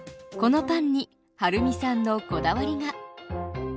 このパンにはるみさんのこだわりが。